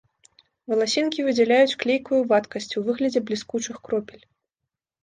Валасінкі выдзяляюць клейкую вадкасць у выглядзе бліскучых кропель.